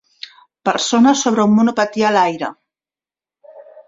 persona sobre un monopatí a l"aire.